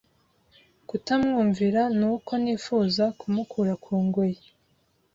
kutamwumvira nuko nifuza kumukura ku ngoyi,